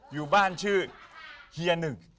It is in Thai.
อยู่บ้านชื่อเฮียหนึ่ง